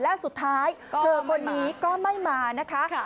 และสุดท้ายเธอคนนี้ก็ไม่มานะคะ